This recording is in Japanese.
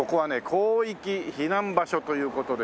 広域避難場所という事で。